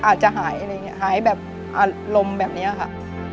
อาจจะหายหายแบบอารมณ์แบบนี้ค่ะ